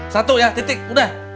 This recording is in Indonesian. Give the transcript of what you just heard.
satu ya titik udah